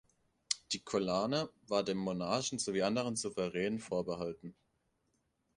Die Collane war dem Monarchen sowie anderen Souveränen vorbehalten.